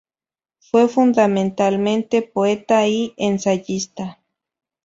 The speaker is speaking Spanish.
Fue, fundamentalmente, poeta y ensayista.